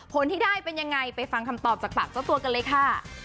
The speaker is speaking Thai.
ผลที่ได้เป็นยังไงไปฟังคำตอบจากปากเจ้าตัวกันเลยค่ะ